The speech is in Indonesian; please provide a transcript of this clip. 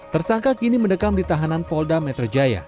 tersangka kini mendekam ditahanan polda metro jaya